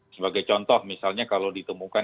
sebagai contoh misalnya kalau ditemukan